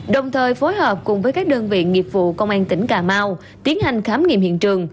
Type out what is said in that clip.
đồng thời phối hợp cùng với các đơn vị nghiệp vụ công an tỉnh cà mau tiến hành khám nghiệm hiện trường